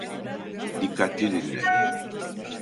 Dikkatli dinle.